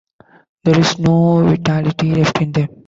There is no vitality left in them.